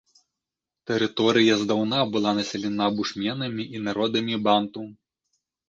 Тэрыторыя здаўна была населена бушменамі і народамі банту.